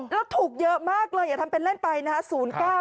แล้วถูกเยอะมากเลยอย่าทำเป็นเล่นไปนะฮะ